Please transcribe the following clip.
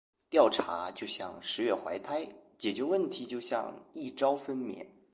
调查就像“十月怀胎”，解决问题就像“一朝分娩”。